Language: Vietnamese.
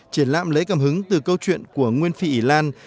triển lãm lấy cảm hứng từ câu chuyện của nguyên phi ý lan